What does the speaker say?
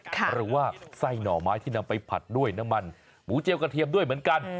หรือว่าไส้หน่อไม้ที่นำไปผัดด้วยน้ำมันหมูเจียวกระเทียมด้วยเหมือนกัน